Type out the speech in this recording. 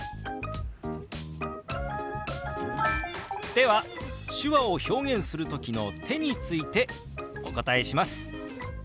では手話を表現する時の「手」についてお答えします。